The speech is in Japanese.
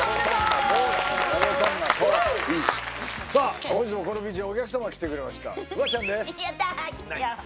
さあ本日もこのビーチにお客様が来てくれましたフワちゃんですやった行っちゃお